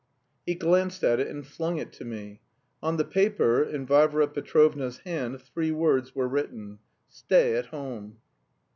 He glanced at it and flung it to me. On the paper, in Varvara Petrovna's hand three words were written: "Stay at home."